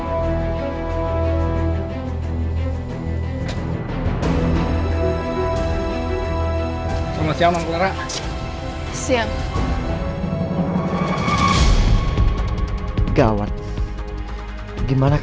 mas yang satu sambelnya disatuin yang satu di pisah ya